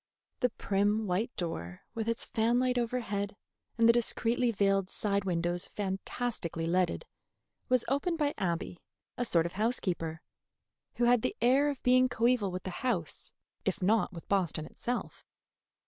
The prim white door, with its fan light overhead and the discreetly veiled side windows fantastically leaded, was opened by Abby, a sort of housekeeper, who had the air of being coeval with the house, if not with Boston itself.